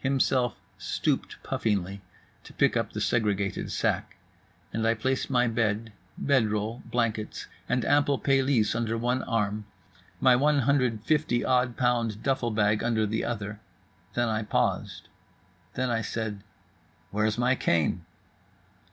Himself stooped puffingly to pick up the segregated sack. And I placed my bed, bed roll, blankets and ample pelisse under one arm, my 150 odd pound duffle bag under the other; then I paused. Then I said, "Where's my cane?"